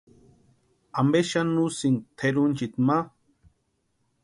¿Ampe xani úsïni tʼerunchiti ma?